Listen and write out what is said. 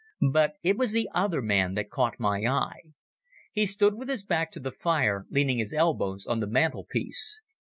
But it was the other man that caught my eye. He stood with his back to the fire leaning his elbows on the mantelpiece.